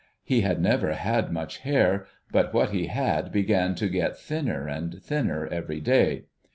He had never had much hair; but what he had, began to get thinner and thinner every day.